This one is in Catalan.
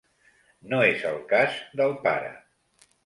No és el cas del pare.